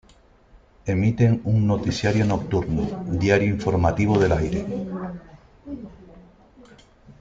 Emiten un noticiario Nocturno "Diario Informativo del aire".